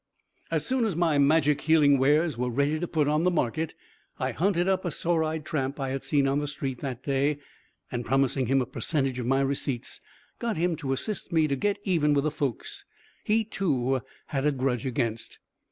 As soon as my magic healing wares were ready to put on the market, I hunted up a sore eyed tramp I had seen on the street that day, and promising him a percentage of my receipts, got him to assist me to get even with the folks he, too, had a grudge against.